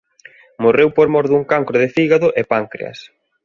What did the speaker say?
Morreu por mor dun cancro de fígado e páncreas.